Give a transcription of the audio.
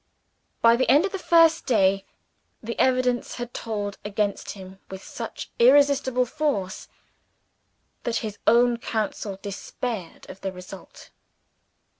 By the end of the first day, the evidence had told against him with such irresistible force, that his own counsel despaired of the result.